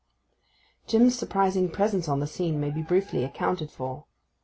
Jim's surprising presence on the scene may be briefly accounted for.